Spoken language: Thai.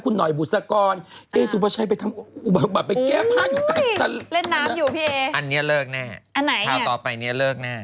ก็ไม่ได้พูดหรอกต้องเลิกเลยเนี่ยแต่เลิกไปทำไมละ